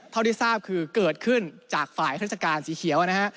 เท่าที่ทราบคือเกิดขึ้นจากฝ่ายราชการสีเขียวนะฮะ